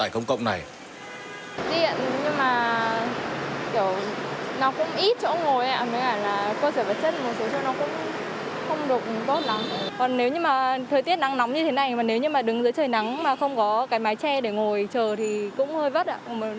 còn nếu mà thời tiết nắng nóng như thế này mà nếu như mà đứng giữa trời nắng mà không có cái mái tre để ngồi chờ thì cũng hơi vất ạ